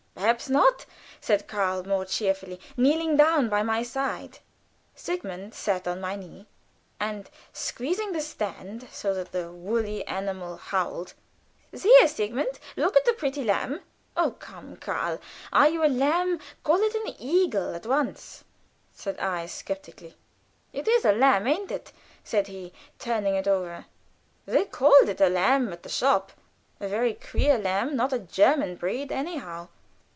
"Perhaps not," said Karl, more cheerfully, kneeling down by my side Sigmund sat on my knee and squeezing the stand, so that the woolly animal howled. "Sieh! Sigmund! Look at the pretty lamb!" "Oh, come, Karl! Are you a lamb? Call it an eagle at once," said I, skeptically. "It is a lamb, ain't it?" said he, turning it over. "They called it a lamb at the shop." "A very queer lamb; not a German breed, anyhow."